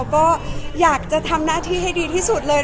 ก็อยากจะทำหน้าที่ให้ดีที่สุดเลย